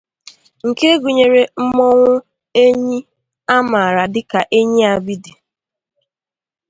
nke gụnyere mmọnwụ enyi a màrà dịka 'Enyi Abidi'